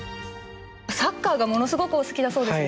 サッカーがものすごくお好きだそうですね？